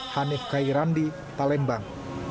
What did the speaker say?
hanif kairandi palembang